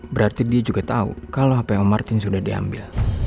berarti dia juga tau kalo hape om martin sudah diambil